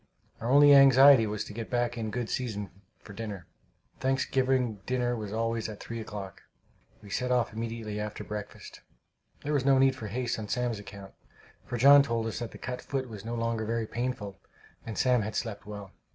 Our only anxiety was to get back in good season for dinner. Thanksgiving dinner was always at three o'clock. We set off immediately after breakfast. There was no need for haste on Sam's account, for John told us that the cut foot was no longer very painful, and Sam had slept well.